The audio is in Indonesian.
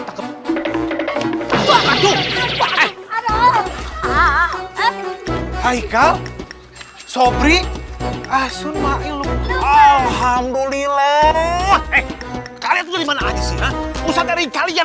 hai hai kau sobri asyik alhamdulillah eh kalian tuh dimana aja sih usah dari kalian